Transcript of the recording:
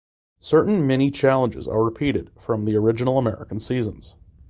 Certain mini challenges are repeated from the original American seasons.